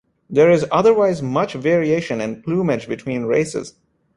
There is otherwise much variation in plumage between races.